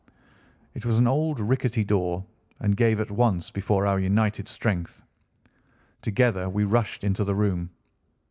It was an old rickety door and gave at once before our united strength. Together we rushed into the room.